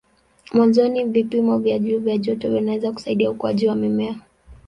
Mwanzoni vipimo vya juu vya joto vinaweza kusaidia ukuaji wa mimea.